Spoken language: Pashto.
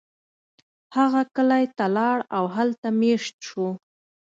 هغه کلی ته لاړ او هلته میشت شو.